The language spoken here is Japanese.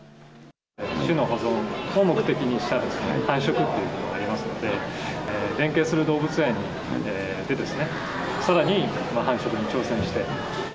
種の保存を目的にした繁殖っていうのがありますので、連携する動物園でですね、さらに繁殖に挑戦して。